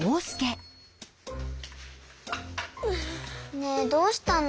ねえどうしたの？